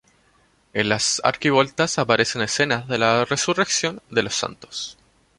En las arquivoltas aparecen escenas de la resurrección de los santos.